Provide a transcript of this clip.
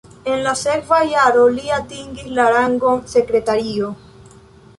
En la sekva jaro li atingis la rangon sekretario.